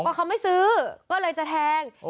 ก็เขาไม่ซื้อก็เลยจะแทง